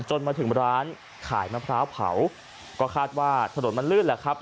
จนมาถึงร้านขายมะพร้าวเผาก็คาดว่าถนนมันลื่นแหละครับ